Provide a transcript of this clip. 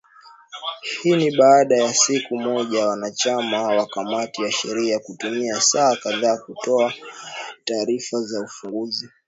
Hii ni baada ya siku moja wanachama wa kamati ya sheria kutumia saa kadhaa kutoa taarifa za ufunguzi